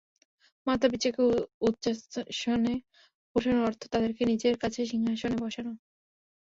পিতা-মাতাকে উচ্চাসনে উঠানোর অর্থ তাদেরকে নিজের কাছে সিংহাসনে বসান।